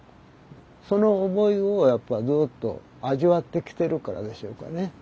その思いをやっぱずっと味わってきてるからでしょうかね。